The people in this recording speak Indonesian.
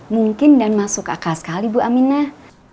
mungkin dan masuk akal sekali bu aminah